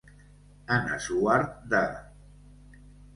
En esguard de.